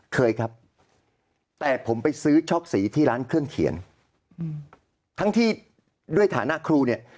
เคยครับแต่ผมไปซื้อชอบสีที่ร้านเครื่องเขียนทั้งที่ด้วยฐานะครูเนี่ย